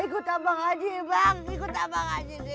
ikut abang aja bang ikut abang aja